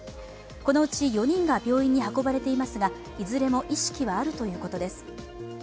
このうち４人が病院に運ばれていますが、いずれも意識はあるということです。